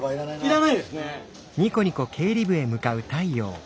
いらないですね。